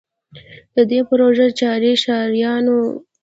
د دې پروژې چارې ښاریانو او